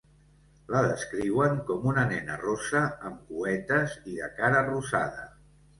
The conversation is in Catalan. La descriuen com una nena rossa amb cuetes i de cara rosada.